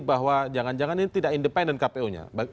bahwa jangan jangan ini tidak independen kpu nya